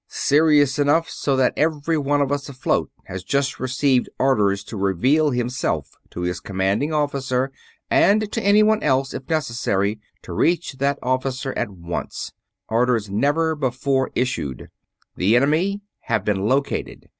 "Serious enough so that every one of us afloat has just received orders to reveal himself to his commanding officer and to anyone else, if necessary to reach that officer at once orders never before issued. The enemy have been located.